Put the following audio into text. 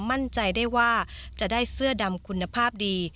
มั่นใจได้ว่าจะได้เสื้อดำคุณภาพดี